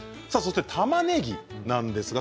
たまねぎなんですが？